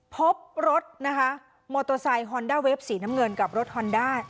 พบรถนะคะมอเตอร์ไซค์ฮอนด้าเวฟสีน้ำเงินกับรถฮอนด้า